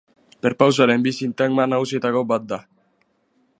Perpausaren bi sintagma nagusietako bat da.